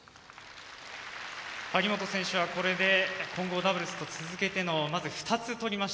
張本選手はこれで混合ダブルスと続けて２つ取りました。